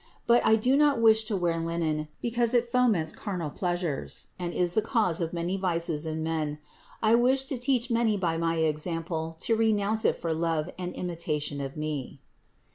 But I do not wish to wear linen, because it foments carnal pleasures, and is the cause of many vices in men. I wish to teach many by my example to renounce it for love and imitation of Me."